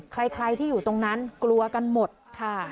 ใครที่อยู่ตรงนั้นกลัวกันหมดค่ะ